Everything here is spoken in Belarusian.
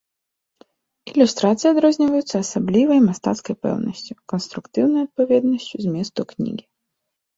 Ілюстрацыі адрозніваюцца асаблівай мастацкай пэўнасцю, канструктыўнай адпаведнасцю зместу кнігі.